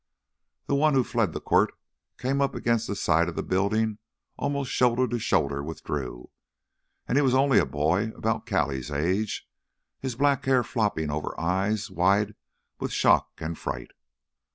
The one who fled the quirt came up against the side of the building almost shoulder to shoulder with Drew. And he was only a boy, about Callie's age, his black hair flopping over eyes wide with shock and fright.